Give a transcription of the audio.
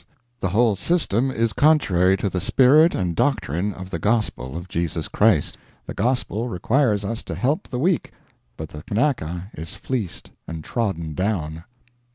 The whole system is contrary to the spirit and doctrine of the Gospel of Jesus Christ. The Gospel requires us to help the weak, but the Kanaka is fleeced and trodden down.